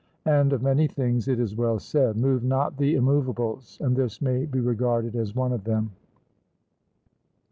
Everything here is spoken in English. And of many things it is well said 'Move not the immovables,' and this may be regarded as one of them.